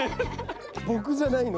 ボクじゃないの？